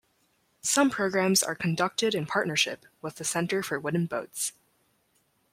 Some programs are conducted in partnership with the Center for Wooden Boats.